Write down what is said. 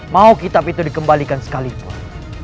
mau kitab itu dikembalikan sekalipun